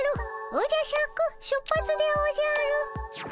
おじゃシャク出発でおじゃる。